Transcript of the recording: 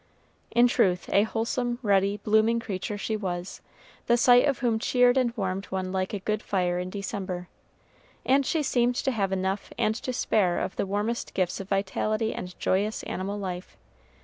In truth, a wholesome, ruddy, blooming creature she was, the sight of whom cheered and warmed one like a good fire in December; and she seemed to have enough and to spare of the warmest gifts of vitality and joyous animal life.